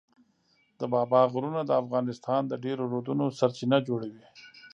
د بابا غرونه د افغانستان د ډېرو رودونو سرچینه جوړوي.